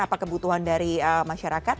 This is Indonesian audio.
apa kebutuhan dari masyarakat